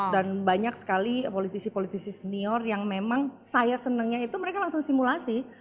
dan banyak sekali politisi politisi senior yang memang saya senangnya itu mereka langsung simulasi